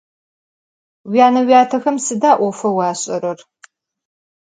Vuyane - vuyatexem sıda 'ofeu aş'erer?